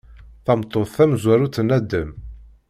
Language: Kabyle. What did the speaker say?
Tameṭṭut tamezwarut n Adem.